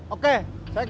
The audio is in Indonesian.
oke saya kesana